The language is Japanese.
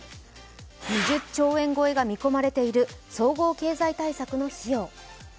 ２０兆円超えが見込まれている総合経済対策の費用。